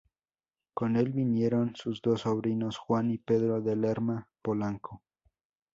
Con el vinieron sus dos sobrinos, Juan y Pedro de Lerma Polanco.